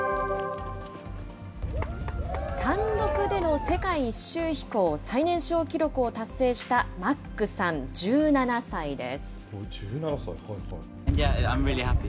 単独での世界一周飛行、最年少記録を達成したマックさん１７歳で１７歳？